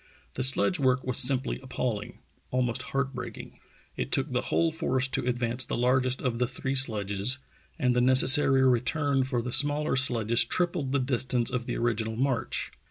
The sledge work was simply appalling, almost heart breaking. It took the whole force to advance the largest of the three sledges, and the necessary re turn for the smaller sledges tripled the distance of the original march.